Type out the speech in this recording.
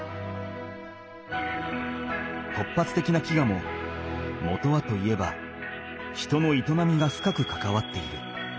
突発的な飢餓ももとはといえば人の営みが深くかかわっている。